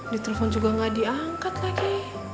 di telpon juga gak diangkat lagi